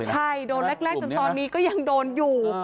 ใช่โดนแรกจนตอนนี้ก็ยังโดนอยู่